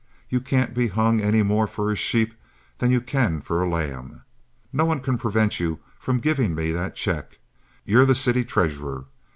You can't be hung any more for a sheep than you can for a lamb. No one can prevent you from giving me that check. You're the city treasurer.